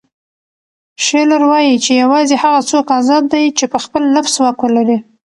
شیلر وایي چې یوازې هغه څوک ازاد دی چې په خپل نفس واک ولري.